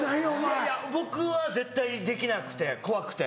いやいや僕は絶対できなくて怖くて。